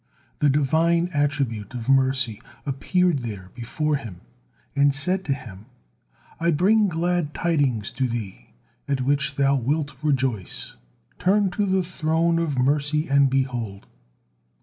The Divine attribute of Mercy appeared there before him and said to him: "I bring glad tidings to thee, at which thou wilt rejoice. Turn to the Throne of Mercy and behold!"